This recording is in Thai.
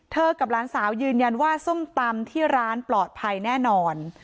กับหลานสาวยืนยันว่าส้มตำที่ร้านปลอดภัยแน่นอน